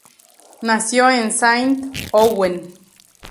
Nació en Saint-Ouen.